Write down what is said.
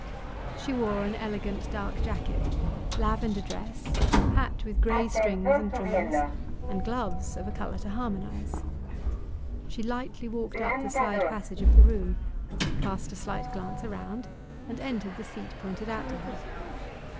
She wore an elegant dark jacket, lavender dress, hat with grey strings and trimmings, and gloves of a colour to harmonize. She lightly walked up the side passage of the room, cast a slight glance around, and entered the seat pointed out to her.